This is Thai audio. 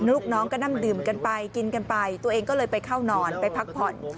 ลูกน้องก็นั่งดื่มกันไปกินกันไปตัวเองก็เลยไปเข้านอนไปพักผ่อน